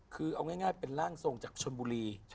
คือเอาง่ายเป็นร่างทรงจากชนบุรี